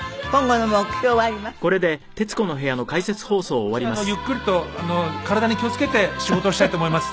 もう少しゆっくりと体に気を付けて仕事をしたいと思います。